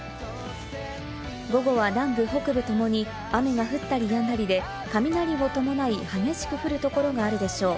午後は南部北部ともに雨が降ったり止んだりで、雷を伴い激しく降るところがあるでしょう。